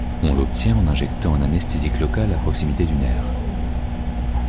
On l'obtient en injectant un anesthésique local à proximité du nerf.